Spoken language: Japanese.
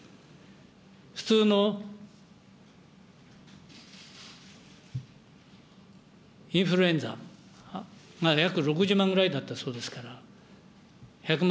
普通のインフルエンザが約６０万ぐらいだったそうですから、１００万、